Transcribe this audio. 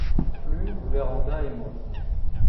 Plus Vérand'a et moi.